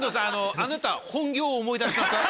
あなた本業を思い出しなさい。